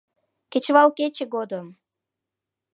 Кечывал кече годым!